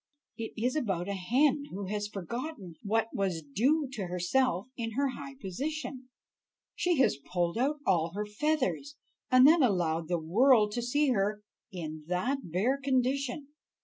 It is about a hen who has forgotten what was due to herself in her high position; she has pulled out all her feathers, and then allowed the world to see her in that bare condition."